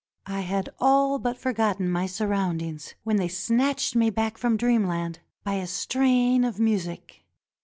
I had all but forgotten my surroundings when they snatched me back from dreamland by a strain of music.